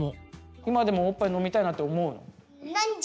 今でもおっぱい飲みたいなって思うの？